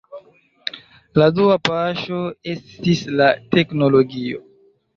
La dua paŝo estis la teknologio.